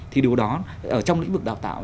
thì điều đó trong lĩnh vực đào tạo